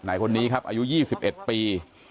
อายุ๒๑ปี